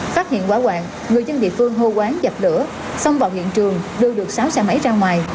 phát hiện quả quản người dân địa phương hô quán dập đửa xong vào hiện trường đưa được sáu xe máy ra ngoài